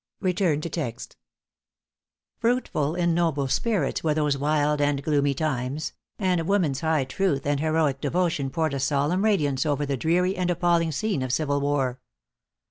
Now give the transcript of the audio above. |Fruitful in noble spirits were those wild and gloomy times; and woman's high truth and heroic devotion poured a solemn radiance over the dreary and appalling scene of civil war.